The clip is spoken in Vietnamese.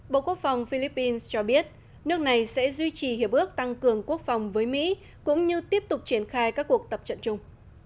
bộ quốc phòng philippines cho biết nước này sẽ duy trì hiệp ước tăng cường quốc phòng với mỹ cũng như tiếp tục triển khai các cuộc tập trận chung